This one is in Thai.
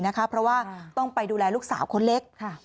เพราะว่าต้องไปดูแลลูกสาวคนเล็ก